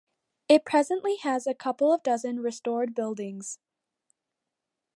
It presently has a couple of dozen restored buildings.